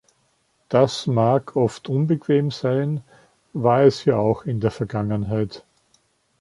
Das mag oft unbequem sein, war es ja auch in der Vergangenheit.